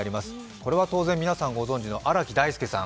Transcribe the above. これは当然ご存じの荒木大輔さん